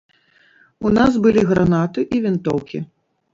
У нас былі гранаты і вінтоўкі.